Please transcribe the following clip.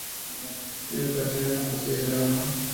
Escribe canciones, poesía y drama.